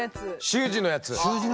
習字のやつ？